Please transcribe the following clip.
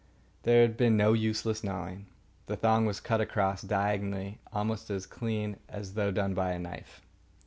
There had been no useless gnawing. The thong was cut across, diagonally, almost as clean as though done by a knife.